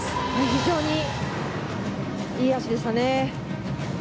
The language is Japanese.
非常にいい脚でしたね。